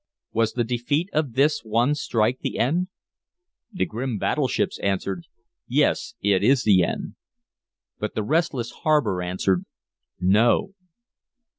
Was the defeat of this one strike the end? The grim battleships answered, "Yes, it is the end." But the restless harbor answered, "No."